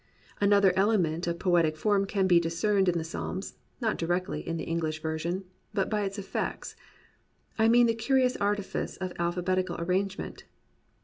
Another element of i>oetic fonn can be discerned in the Psalms, not directly, in the EngHsh version, but by its effects. I mean the curious artifice of alphabetic arrangement.